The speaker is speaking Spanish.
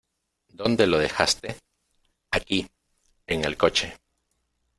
¿ Dónde lo dejaste? Aquí, en el coche.